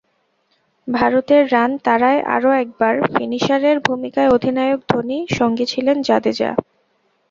ভারতের রান তাড়ায় আরও একবার ফিনিশারের ভূমিকায় অধিনায়ক ধোনি, সঙ্গী ছিলেন জাদেজা।